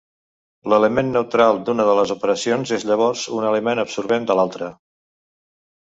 L'element neutral d'una de les operacions és llavors un element absorbent de l'altra.